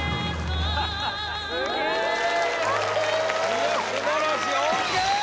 いや素晴らしいＯＫ！